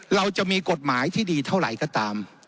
เราจะมีกฎหมายที่ดีเท่าไหร่ก็ตาม